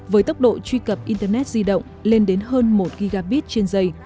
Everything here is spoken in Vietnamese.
với tốc độ truy cập internet di động lên đến hơn một gb trên giây